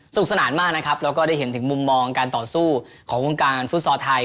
สนานมากนะครับแล้วก็ได้เห็นถึงมุมมองการต่อสู้ของวงการฟุตซอลไทย